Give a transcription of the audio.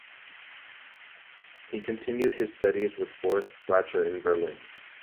He continued his studies with Boris Blacher in Berlin.